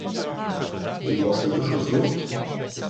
Ils mangent quelque chose d’autre ?